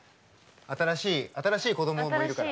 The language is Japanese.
新しい子どももいるから。